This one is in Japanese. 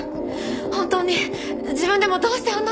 本当に自分でもどうしてあんな事をしたのか。